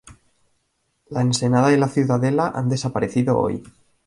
La ensenada y la ciudadela han desaparecido hoy.